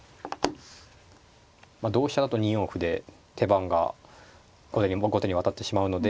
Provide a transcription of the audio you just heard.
同飛車だと２四歩で手番が後手に渡ってしまうのでまあ